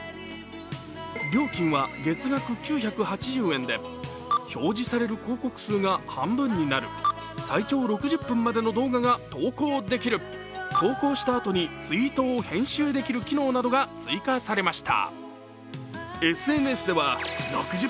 料金は月額９８０円で、表示される広告数が半分になる、最長６０分までの動画が投稿できる、投稿したあとにツイートを編集できる機能などが追加されました。